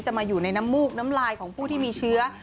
มาอยู่ในน้ำมูกน้ำลายของผู้ที่มีเชื้อ